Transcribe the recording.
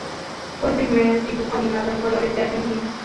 Fue el primer dibujo animado en colores de Argentina.